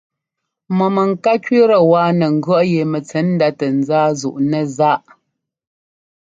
Mɔ mɛŋká kẅíitɛ wá nɛ ŋgʉ̈ɔ́ꞌ yɛ mɛntsɛ̌ndá tɛ nzáá zúꞌnɛ́ zaꞌ.